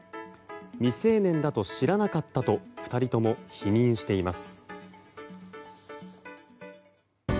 未成年だと知らなかったと２人とも否認しています。